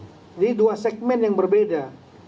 jadi dua segmen yang berbeda